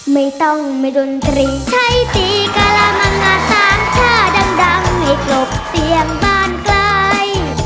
ไม่ต้องมาดนตรีใช้ตีกะละมังอาสานท่าดังให้กลบเสียงบ้านไกล